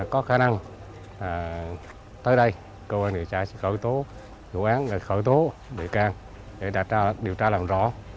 có khả năng tới đây cơ quan điều tra sẽ khởi tố vụ án khởi tố bị can để điều tra làm rõ